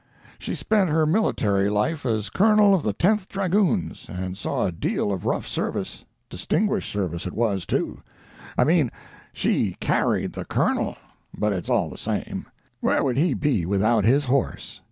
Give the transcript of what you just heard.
She spent her military life as colonel of the Tenth Dragoons, and saw a deal of rough service—distinguished service it was, too. I mean, she carried the Colonel; but it's all the same. Where would he be without his horse?